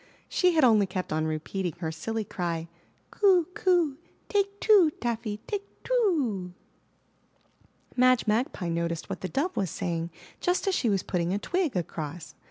She had only kept on repeating her silly cry, Coo! Coo! Take two, Taffy, take two o o o." Madge Magpie noticed what the Dove was saying just as she was putting a twig across.